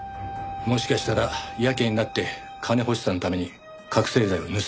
もしかしたらやけになって金欲しさのために覚醒剤を盗んだって事も。